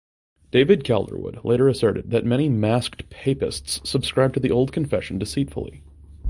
David Calderwood later asserted that "many masked "Papists" subscribed the old Confession deceitfully".